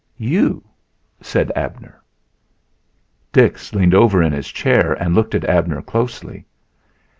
"You," said Abner. Dix leaned over in his chair and looked at Abner closely.